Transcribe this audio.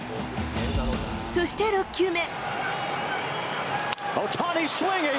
そして６球目。